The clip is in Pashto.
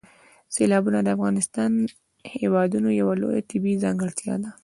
سیلابونه د افغانستان هېواد یوه لویه طبیعي ځانګړتیا ده.